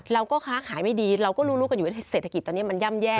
เราก็ค้าขายไม่ดีเราก็รู้กันอยู่เศรษฐกิจตอนนี้มันย่ำแย่